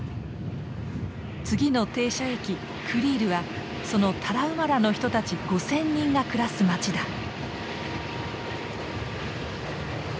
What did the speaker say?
次の停車駅クリールはそのタラウマラの人たち５，０００人が暮らす街だ。